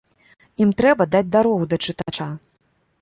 Ім трэба даць дарогу да чытача.